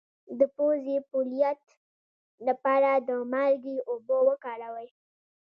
د پوزې د پولیت لپاره د مالګې اوبه وکاروئ